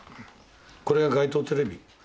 これが街頭テレビ。